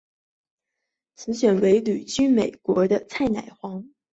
此卷为旅居美国的蔡乃煌的重孙女委托拍卖。